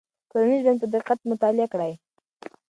ټولنیز ژوند په دقت مطالعه کړئ.